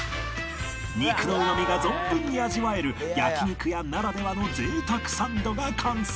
肉のうまみが存分に味わえる焼肉屋ならではの贅沢サンドが完成